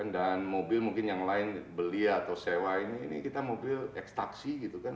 dan mobil mungkin yang lain beli atau sewa ini kita mobil ekstaksi gitu kan